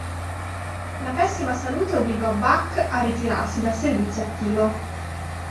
La pessima salute obbligò Back a ritirarsi dal servizio attivo.